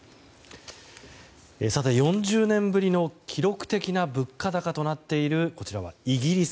４０年ぶりの記録的な物価高となっているこちらは、イギリス。